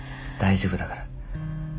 大丈夫だから。